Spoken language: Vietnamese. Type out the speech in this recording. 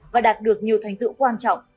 và đạt được nhiều thành tựu quan trọng